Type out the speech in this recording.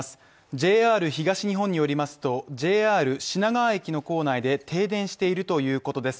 ＪＲ東日本によりますと、ＪＲ品川駅の構内で停電しているということです。